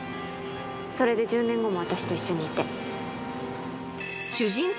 それで１０年後も私と一緒にいて。